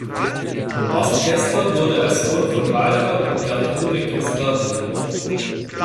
Horst Kessler wurde als Sohn von Walter und Gertrude Kessler, geb.